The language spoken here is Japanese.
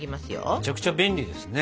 めちゃくちゃ便利ですね。